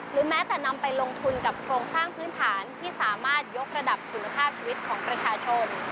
แม้แต่นำไปลงทุนกับโครงสร้างพื้นฐานที่สามารถยกระดับคุณภาพชีวิตของประชาชน